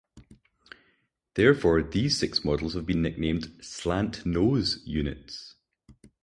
Therefore, these six models have been nicknamed "slant nose" units.